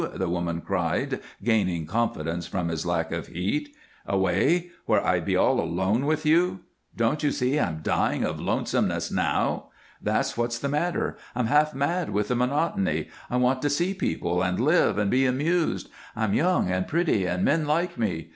the woman cried, gaining confidence from his lack of heat. "Away, where I'd be all alone with you? Don't you see I'm dying of lonesomeness now? That's what's the matter. I'm half mad with the monotony. I want to see people, and live, and be amused. I'm young, and pretty, and men like me.